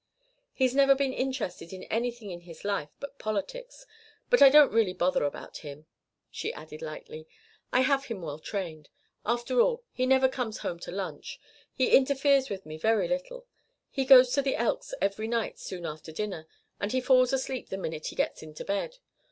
"He's never been interested in anything in his life but politics. But I don't really bother about him," she added lightly. "I have him well trained. After all, he never comes home to lunch, he interferes with me very little, he goes to the Elks every night soon after dinner, and he falls asleep the minute he gets into bed.